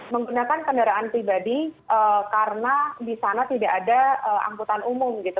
menggunakan kendaraan pribadi karena di sana tidak ada angkutan umum gitu